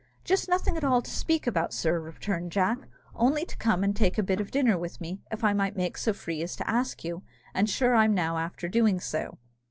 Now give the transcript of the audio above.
"Just nothing at all to speak about, sir," returned Jack, "only to come and take a bit of dinner with me, if I might make so free as to ask you, and sure I'm now after doing so."